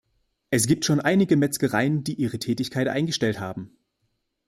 Es gibt schon einige Metzgereien, die ihre Tätigkeit eingestellt haben.